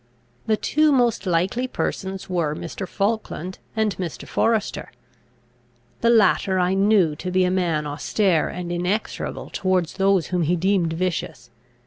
The two most likely persons were Mr. Falkland and Mr. Forester. The latter I knew to be a man austere and inexorable towards those whom he deemed vicious.